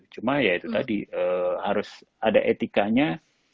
cuma ya itu tadi harus ada etikanya